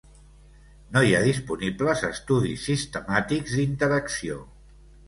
No hi ha disponibles estudis sistemàtics d'interacció.